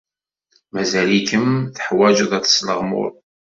Mazal-ikem teḥwajeḍ ad tesleɣmuḍ.